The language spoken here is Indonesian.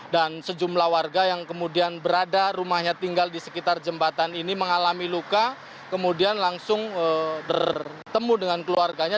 dan sejumlah warga yang kemudian berada rumahnya tinggal di sekitar jembatan ini mengalami luka kemudian langsung bertemu dengan keluarganya